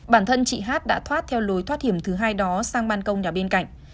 bản thân chị hát đã thoát theo lối thoát hiểm thứ hai đó sang ban công nhà bên cạnh